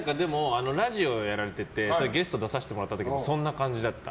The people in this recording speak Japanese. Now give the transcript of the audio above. ラジオやられててゲスト出させてもらった時そんな感じだった。